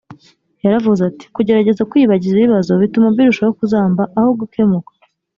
yaravuze ati “kugerageza kwiyibagiza ibibazo bituma birushaho kuzamba aho gukemuka”